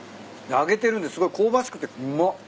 揚げてるんですごい香ばしくてうまっ。